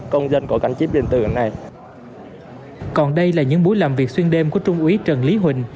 còn đây là những buổi làm việc xuyên đêm của trung úy trần lý huỳnh